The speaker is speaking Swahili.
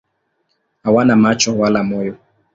Hawana macho wala moyo.